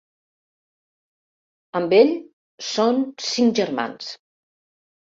Amb ell, són cinc germans: